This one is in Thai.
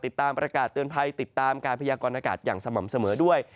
ติดตามประกาศเตือนภัยติดตามการพยากรณากาศอย่างสม่ำเสมอด้วย